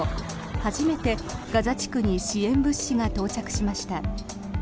初めてガザ地区に支援物資が到着しました。